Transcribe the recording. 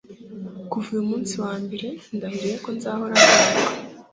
kuva uyu munsi wa mbere, ndahiriye ko nzahora nibuka